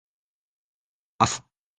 明日